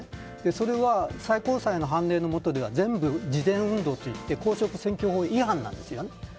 それは最高裁の判例のもとでは事前運動といって公職選挙法違反なんですよ。